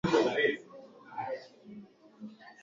ikiwa ni pamoja na kumshinikiza